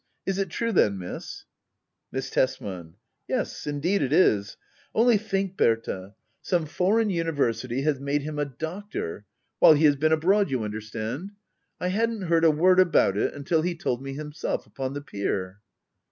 Is it true then. Miss ? Miss Tesman. Yes^ indeed it is. Only think, Berta — some Digitized by Google ACT I.] HBDDA OABLER. 7 foreign university has made him a doctor — ^while he has been abroad^ you understand. I hadn't heard a word about it^ until he told me himself upon the pier.